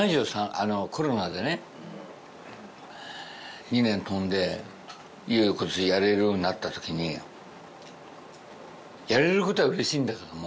あのコロナでね２年飛んでいよいよ今年やれるようになった時にやれることはうれしいんだけども